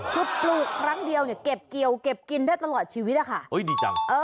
คือปลูกครั้งเดียวเนี่ยเก็บเกี่ยวเก็บกินได้ตลอดชีวิตอะค่ะดีจังเออ